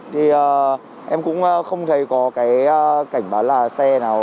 thì em cũng không thấy có cái cảnh báo là xe nào